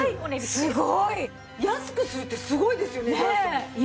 すごい！安くするってすごいですよねダイソン。